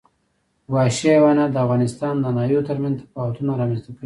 وحشي حیوانات د افغانستان د ناحیو ترمنځ تفاوتونه رامنځ ته کوي.